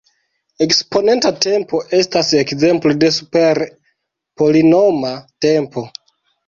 Eksponenta tempo estas ekzemplo de super-polinoma tempo.